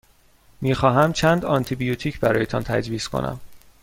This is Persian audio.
می خواهمم چند آنتی بیوتیک برایتان تجویز کنم.